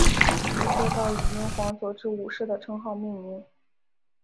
街道以英皇佐治五世的称号命名。